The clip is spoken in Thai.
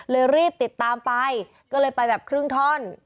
รีบติดตามไปก็เลยไปแบบครึ่งท่อน